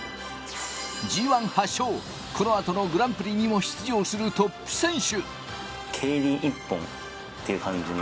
Ｇ１、８勝、この後のグランプリにも出場するトップ選手。